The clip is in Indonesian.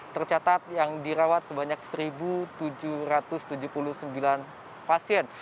tercatat yang dirawat sebanyak satu tujuh ratus tujuh puluh sembilan pasien